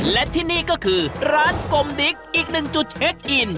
และที่นี่ก็คือร้านกลมดิ๊กอีกหนึ่งจุดเช็คอิน